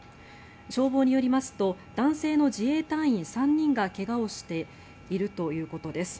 消防によりますと男性の自衛隊員３人が怪我をしているということです。